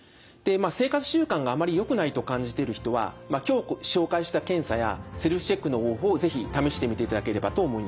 生活習慣があまりよくないと感じている人は今日紹介した検査やセルフチェックの方法を是非試してみていただければと思います。